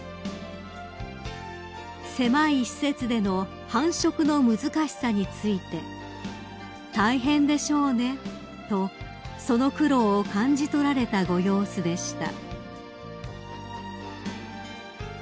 ［狭い施設での繁殖の難しさについて「大変でしょうね」とその苦労を感じ取られたご様子でした］